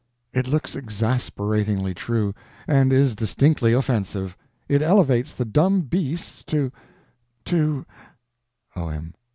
It looks exasperatingly true; and is distinctly offensive. It elevates the dumb beasts to—to— O.M.